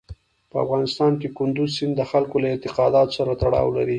په افغانستان کې کندز سیند د خلکو له اعتقاداتو سره تړاو لري.